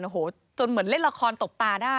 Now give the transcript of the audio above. โอ้โหจนเหมือนเล่นละครตบตาได้